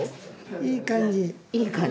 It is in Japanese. いい感じ？